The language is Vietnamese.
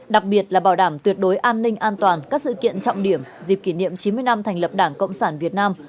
đặc biệt là bảo đảm tuyệt đối an ninh an toàn các sự kiện trọng điểm dịp kỷ niệm chín mươi năm thành lập đảng cộng sản việt nam